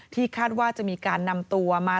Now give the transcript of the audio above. คาดว่าจะมีการนำตัวมา